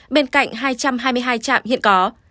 bên cạnh hai trăm hai mươi hai trạm hiện có